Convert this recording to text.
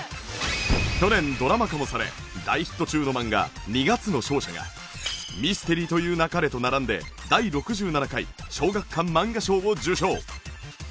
去年ドラマ化もされ大ヒット中の漫画『二月の勝者』が『ミステリと言う勿れ』と並んで第６７回小学館漫画賞を受賞！